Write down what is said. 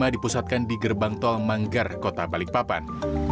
dipusatkan di gerbang tol manggar kota balikpapan